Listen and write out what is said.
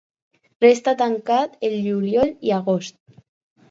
Resta tancat el juliol i agost.